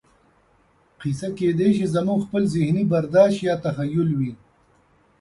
کیسه کېدای شي زموږ خپل ذهني برداشت یا تخیل وي.